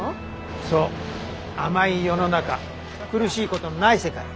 そう甘い世の中苦しいことのない世界。